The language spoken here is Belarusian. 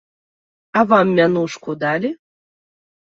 А вам мянушку далі?